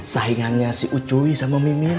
saingannya si ucuy sama mimin